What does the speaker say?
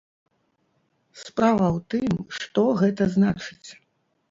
Справа ў тым, што гэта значыць?